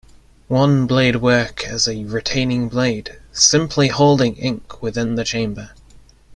One blade work as a retaining blade, simply holding ink within the chamber.